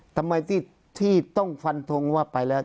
ทำไมที่ต้องฟันทงว่าไปแล้ว